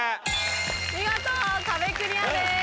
見事壁クリアです。